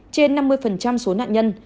trên năm mươi số nạn nhân